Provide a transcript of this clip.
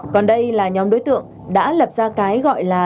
còn đây là nhóm đối tượng đã lập ra cái gọi là